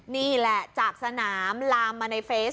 นี่แหละจากสนามลามมาในเฟซ